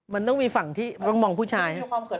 มันต้องมีฝั่งที่ต้องมองผู้ชาย